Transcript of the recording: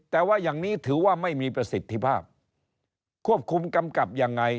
แต่ว่าอย่างนี้ถือว่าไม่มีประสิทธิภาพควบคุมกำกับยังไง